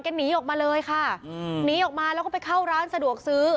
หนีออกมาเลยค่ะหนีออกมาแล้วก็ไปเข้าร้านสะดวกซื้อ